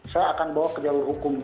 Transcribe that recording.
saya akan bawa ke jalur hukum